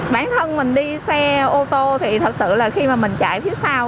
bản thân mình đi xe ô tô thì thật sự là khi mà mình chạy phía sau